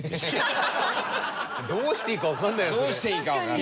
どうしていいかわかんないですね。